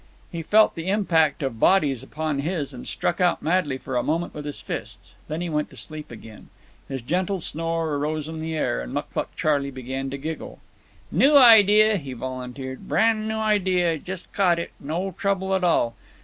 He felt the impact of bodies upon his and struck out madly for a moment with his fists. Then he went to sleep again. His gentle snore arose on the air, and Mucluc Charley began to giggle. "New idea," he volunteered, "brand new idea. Jes' caught it—no trouble at all.